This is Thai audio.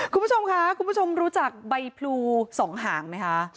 คุณผู้ชมค่ะคุณผู้ชมรู้จักใบพลู๒หางไหมคะ